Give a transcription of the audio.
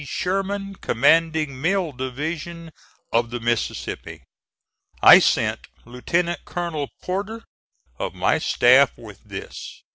SHERMAN, Commanding Mill Division of the Mississippi. I send Lieutenant Colonel Porter, of my staff, with this.